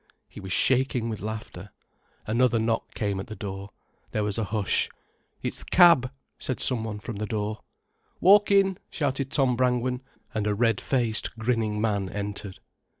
He was shaking with laughter. Another knock came at the door. There was a hush. "It's th' cab," said somebody from the door. "Walk in," shouted Tom Brangwen, and a red faced grinning man entered.